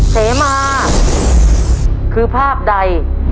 เสมาคือภาพใด